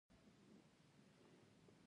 د ژبي هره کلمه ارزښت لري.